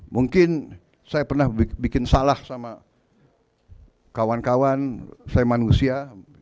mungkin saya pernah bikin salah sama kawan kawan saya manusia